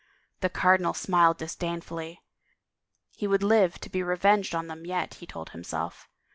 The cardinal smiled disdainfully. He would live to be revenged on them yet, he told himself.